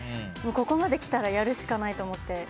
ここまで来たらやるしかないと思って。